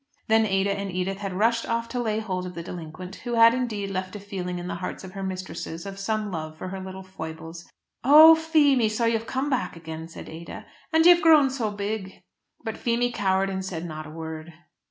Then Ada and Edith had rushed off to lay hold of the delinquent, who had indeed left a feeling in the hearts of her mistresses of some love for her little foibles. "Oh! Feemy, so you've come back again," said Ada, "and you've grown so big!" But Feemy cowered and said not a word.